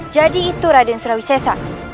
jadi itu raden surawisesa